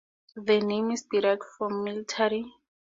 The name is derived from "military".